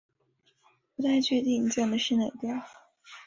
不太确定你讲的是哪个